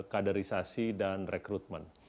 kaderisasi dan rekrutmen